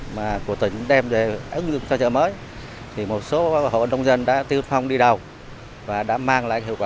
mình đem về ứng dụng cho chợ mới thì một số hộ nông dân đã tiêu thông đi đầu và đã mang lại hiệu quả